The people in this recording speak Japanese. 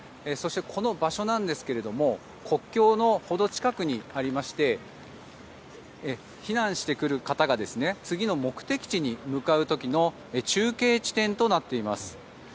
そして、この場所なんですけども国境の程近くにありまして避難してくる方が次の目的地に向かう時の中継地点となっています。